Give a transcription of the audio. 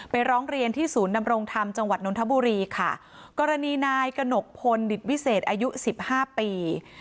ร้องเรียนที่ศูนย์ดำรงธรรมจังหวัดนทบุรีค่ะกรณีนายกระหนกพลดิตวิเศษอายุสิบห้าปี